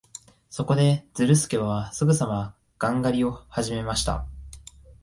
そこで、ズルスケはすぐさまガン狩りをはじめました。